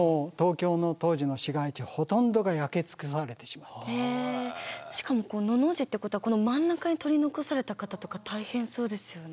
もうへえしかものの字ってことはこの真ん中に取り残された方とか大変そうですよね。